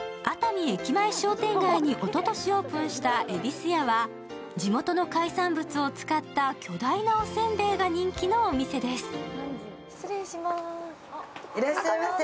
熱海駅前商店街におととしオープンしたゑびす屋は地元の海産物を使った巨大なお煎餅が人気緒お店です。